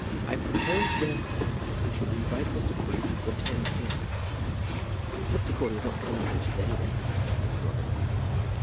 I propose, therefore, that we should invite Mr. Crawley to attend here " "Mr. Crawley is not coming here to day, then?" said Mr. Robarts.